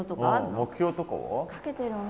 目標とかは？